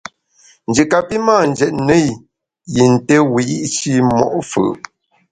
Nji kapi mâ njetne i yin té wiyi’shi mo’ fù’.